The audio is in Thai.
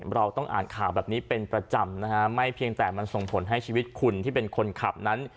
เราต้องอ่านข่าวแบบนี้เป็นประจำนะฮะไม่เพียงแต่มันส่งผลให้ชีวิตคุณที่เป็นคนขับนั้น